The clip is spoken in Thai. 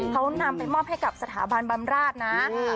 เขานำไปมอบให้กับสถาบันบำราชนะ